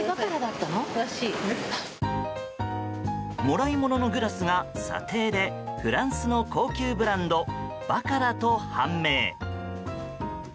もらい物のグラスが査定でフランスの高級ブランドバカラと判明。